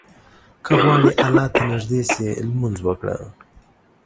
که غواړې الله ته نيږدى سې، لمونځ وکړه.